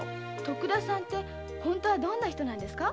徳田さんて本当はどんな人ですか？